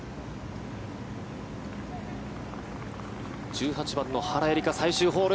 １８番の原英莉花最終ホール。